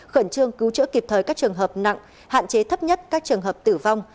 khẩn trương cứu chữa kịp thời các trường hợp nặng hạn chế thấp nhất các trường hợp tử vong